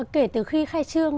kể từ khi khai trương